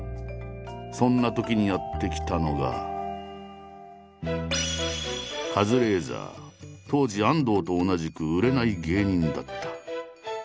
そんなときにやって来たのが当時安藤と同じく売れない芸人だった。